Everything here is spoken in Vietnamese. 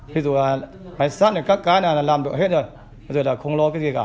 ví dụ là máy sắt này các cái là làm được hết rồi bây giờ là không lo cái gì cả